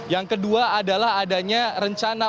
yang kedua adalah adanya rencana